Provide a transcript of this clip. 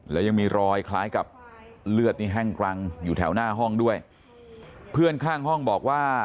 แล้วยังมีรอยคล้ายกับเลือดนี่แห้งกรังอยู่แถวหน้าห้องด้วยเพื่อนข้างห้องบอกว่า